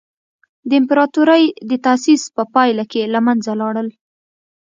د امپراتورۍ د تاسیس په پایله کې له منځه لاړل.